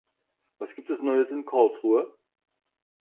Was gibt es Neues in Karlsruhe?